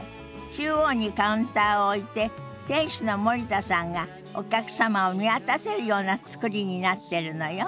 中央にカウンターを置いて店主の森田さんがお客様を見渡せるような造りになってるのよ。